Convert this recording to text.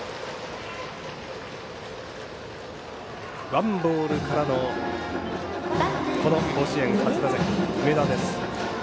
ワンボールからの甲子園初打席、梅田です。